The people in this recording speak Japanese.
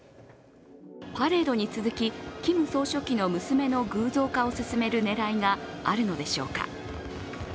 パレードに続きキム総書記の娘の偶像化を進める狙いがあるのでしょうか。